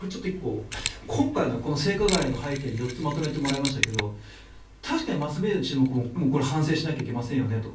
今回、性加害の背景を４つまとめてもらいましたが確かにマスメディアの沈黙も反省しなきゃいけませんよねと。